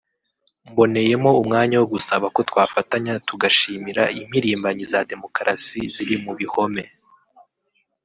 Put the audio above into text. Mboneyemo umwanya wo gusaba ko twafatanya tugashimira impirimbanyi za demokarasi ziri mu bihome